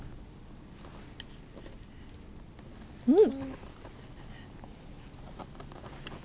うん！